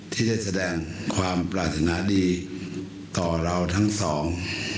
ที่ได้แสดงความปรารถนาดีต่อเราทั้งสอง